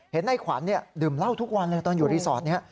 ในขวัญดื่มเหล้าทุกวันเลยตอนอยู่รีสอร์ทนี้